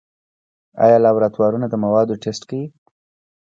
آیا لابراتوارونه د موادو ټسټ کوي؟